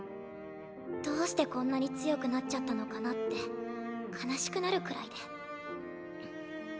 どうしてこんなに強くなっちゃったのかなって悲しくなるくらいで。